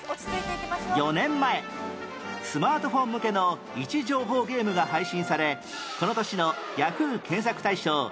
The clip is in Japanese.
４年前スマートフォン向けの位置情報ゲームが配信されこの年の Ｙａｈｏｏ！ 検索大賞２０１９